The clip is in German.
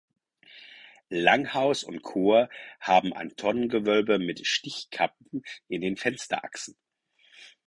Langhaus und Chor haben ein Tonnengewölbe mit Stichkappen in den Fensterachsen.